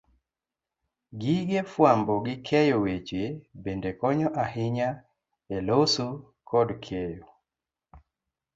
Gige fwambo gi keyo weche bende konyo ahinya e loso kod keyo